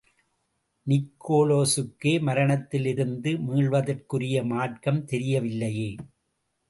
நிக்கோலசுக்கே மரணத்திலே இருந்து மீள்வதற்குரிய மார்க்கம் தெரியவில்லையே!